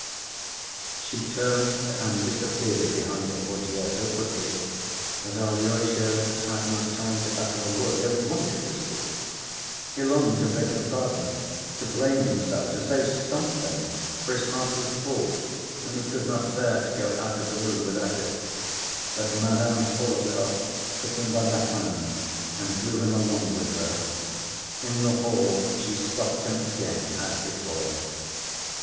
She turned and disappeared behind the portière so quickly that Alyosha had not time to utter a word, though he wanted to speak. He longed to beg her pardon, to blame himself, to say something, for his heart was full and he could not bear to go out of the room without it. But Madame Hohlakov took him by the hand and drew him along with her. In the hall she stopped him again as before.